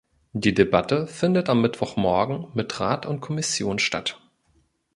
Die Debatte findet am Mittwochmorgen mit Rat und Kommission statt.